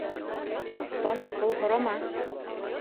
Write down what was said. Астан аҡыл һорама.